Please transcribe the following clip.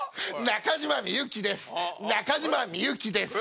中島みゆきです。